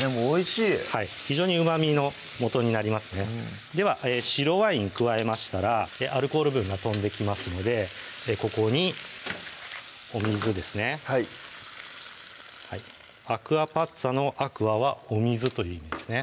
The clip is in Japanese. でもおいしい非常にうまみのもとになりますねでは白ワイン加えましたらアルコール分が飛んできますのでここにお水ですねはいアクアパッツァの「アクア」はお水という意味ですね